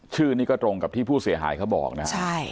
ชื่อนี้ก็ตรงกับที่ผู้เสียหายเขาบอกนะครับ